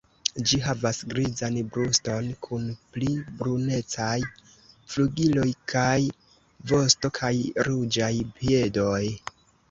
Ĝi havas grizan bruston kun pli brunecaj flugiloj kaj vosto kaj ruĝaj piedoj.